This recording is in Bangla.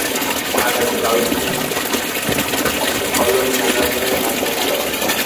ভাত আছে, পাঁউরুটি আছেন, হর-রঙের নানা রকমের মাছমাংস আছেন।